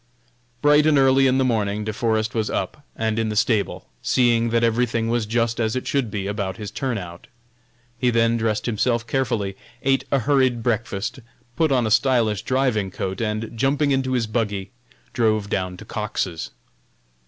Bright and early in the morning De Forest was up, and in the stable, seeing that everything was just as it should be about his turn out. He then dressed himself carefully, ate a hurried breakfast, put on a stylish driving coat, and, jumping into his buggy, drove down to Cox's.